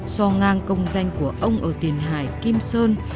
so ngang công danh của ông ở tiền hải kim sơn